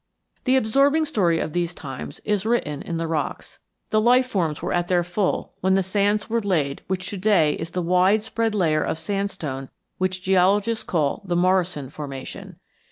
The absorbing story of these times is written in the rocks. The life forms were at their full when the sands were laid which to day is the wide spread layer of sandstone which geologists call the Morrison formation.